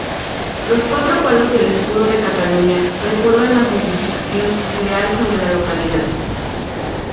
Los cuatro palos del escudo de Cataluña recuerdan la jurisdicción real sobre la localidad.